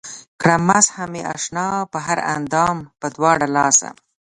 کړه مسحه مې اشنا پۀ هر اندام پۀ دواړه لاسه